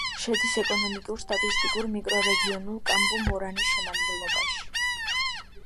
შედის ეკონომიკურ-სტატისტიკურ მიკრორეგიონ კამპუ-მორანის შემადგენლობაში.